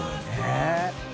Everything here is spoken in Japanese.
えっ？